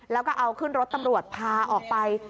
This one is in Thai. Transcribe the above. แล้วก็เอาขึ้นรถตำรวจพาออกไป